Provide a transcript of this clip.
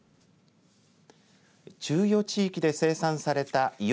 中予地域で生産されたいよ